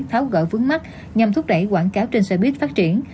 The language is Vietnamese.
tháo gỡ vướng mắt nhằm thúc đẩy quảng cáo trên xoay biếc phát triển